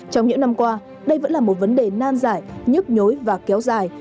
trong những năm qua đây vẫn là một vấn đề nan giải nhức nhối và kéo dài